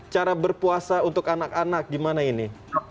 cara berpuasa untuk anak anak gimana ini